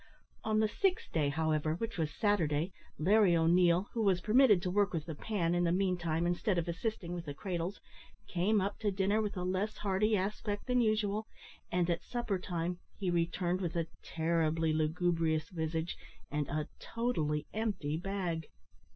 On the sixth day, however, which was Saturday, Larry O'Neil, who was permitted to work with the pan in the meantime, instead of assisting with the cradles, came up to dinner with a less hearty aspect than usual, and at suppertime he returned with a terribly lugubrious visage and a totally empty bag.